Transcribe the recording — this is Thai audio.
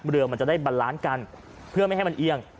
เรือมันจะได้บันล้านกันเพื่อไม่ให้มันเอียง